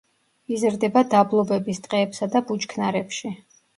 იზრდება დაბლობების ტყეებსა და ბუჩქნარებში.